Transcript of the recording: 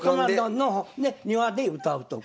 の庭で歌うとか。